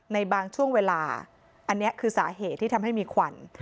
ในบางช่วงเวลาอันนี้คือสาเหตุที่ทำให้มีควัน